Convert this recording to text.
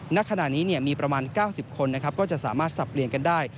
ณขนาดนี้มีประมาณ๙๐คนก็จะสามารถสะเปรียนกันได้